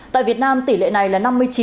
tại việt nam tỷ lệ này là năm mươi chín